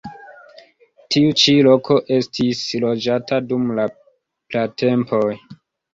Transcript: Tiu ĉi loko estis loĝata dum la pratempoj.